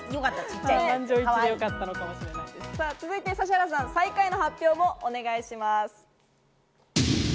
続いて指原さん、最下位の発表もお願いします。